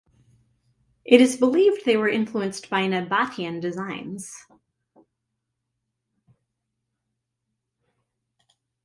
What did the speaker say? It is believed they were influenced by Nabatean designs.